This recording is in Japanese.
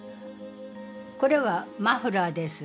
これはマフラーです。